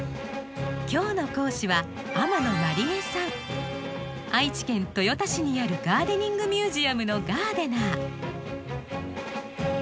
今日の講師は愛知県豊田市にあるガーデニングミュージアムのガーデナー。